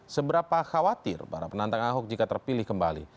seberapa khawatir para penantang ahok jika terpilih kembali